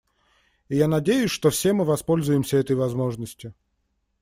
И я надеюсь, что все мы воспользуемся этой возможностью.